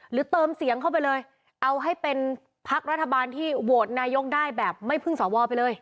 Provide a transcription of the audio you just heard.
เติมเสียงเข้าไปเลยเอาให้เป็นพักรัฐบาลที่โหวตนายกได้แบบไม่พึ่งสวไปเลย